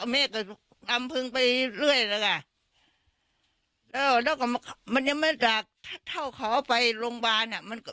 แม่ก็นำพึงไปเรื่อยแล้วก็มันยังไม่จากเท่าขอไปโรงพยาบาล